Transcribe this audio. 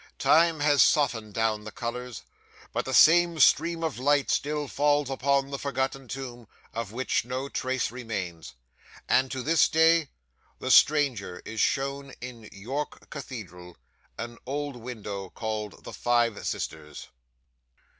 Time has softened down the colours, but the same stream of light still falls upon the forgotten tomb, of which no trace remains; and, to this day, the stranger is shown in York Cathedral, an old window called the Five Sisters.